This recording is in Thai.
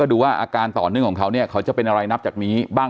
อืม